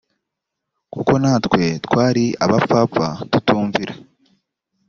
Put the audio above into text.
kuko natwe twari abapfapfa tutumvira